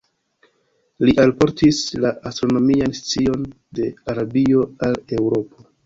Li alportis la astronomian scion de Arabio al Eŭropo.